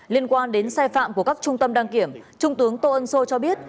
liên quan đến sai phạm của các trung tâm đăng kiểm trung tướng tô ân sô cho biết